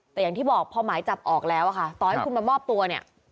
แต่อย่างที่บอกพอหมายจับออกแล้วอะค่ะต่อให้คุณมามอบตัวเนี่ย